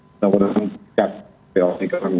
kita sudah mengucapkan vox omicron